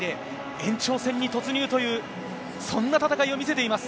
延長戦に突入という、そんな戦いを見せています。